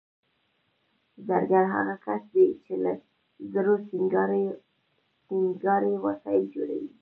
زرګر هغه کس دی چې له زرو سینګاري وسایل جوړوي